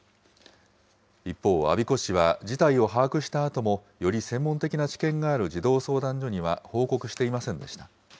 一方、我孫子市は事態を把握したあとも、より専門的な知見がある児童相談所には報告していませんでした。